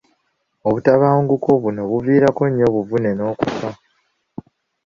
Obutabanguko buno buviirako nnyo obuvune n'okufa.